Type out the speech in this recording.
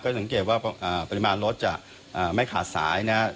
สังเกตว่าปริมาณรถจะไม่ขาดสายนะครับ